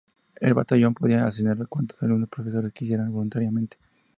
Al batallón podían acceder cuantos alumnos y profesores quisieran voluntariamente.